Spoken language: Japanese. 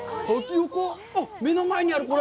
目の前にある、これ？